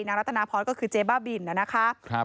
นางรัตนาพรก็คือเจ๊บ้าบินนะนะครับ